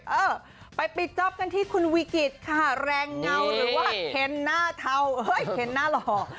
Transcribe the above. เออไปปิดจ๊อปกันที่คุณวิกฤตค่ะแรงเงาหรือว่าเคนหน้าเทาเอ้ยเคนหน้าหล่อ